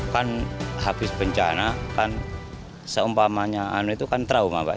kan habis bencana kan seumpamanya itu kan trauma